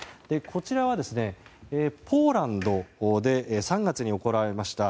こちらはポーランドで３月に行われました